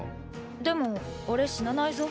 でもおれ死なないぞ。